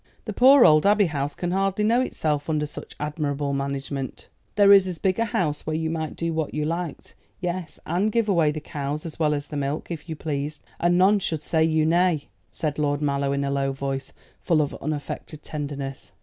"The poor old Abbey House can hardly know itself under such admirable management." "There is as big a house where you might do what you liked; yes, and give away the cows as well as the milk, if you pleased, and none should say you nay," said Lord Mallow in a low voice, full of unaffected tenderness.